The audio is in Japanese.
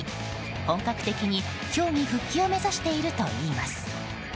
本格的に競技復帰を目指しているといいます。